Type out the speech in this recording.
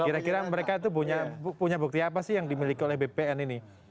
kira kira mereka itu punya bukti apa sih yang dimiliki oleh bpn ini